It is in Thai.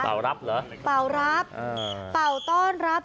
รับเหรอเป่ารับเป่าต้อนรับ